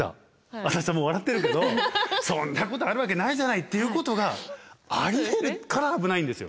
足立さんも笑ってるけどそんなことあるわけないじゃないっていうことがありえるから危ないんですよ。